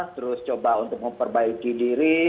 terus coba untuk memperbaiki diri